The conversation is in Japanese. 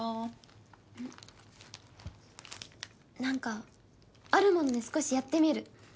なんかあるもんで少しやってみる。